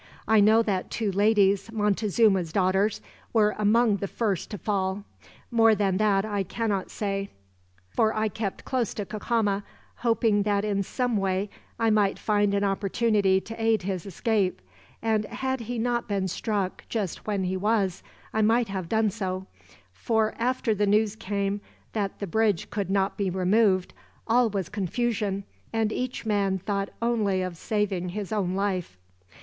I know that two ladies, Montezuma's daughters, were among the first to fall. More than that I cannot say, for I kept close to Cacama, hoping that in some way I might find an opportunity to aid his escape; and had he not been struck, just when he was, I might have done so; for after the news came that the bridge could not be removed, all was confusion, and each man thought only of saving his own life."